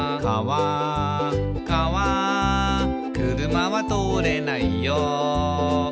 「かわ車は通れないよ」